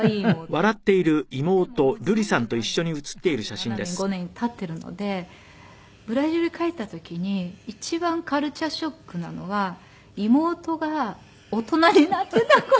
でももう三十何年３７年３５年経っているのでブラジル帰った時に一番カルチャーショックなのは妹が大人になっていた事。